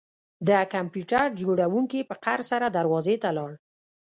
د کمپیوټر جوړونکي په قهر سره دروازې ته لاړ